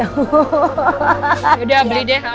yaudah beli deh